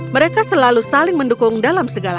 mereka selalu saling mendukung dalam segala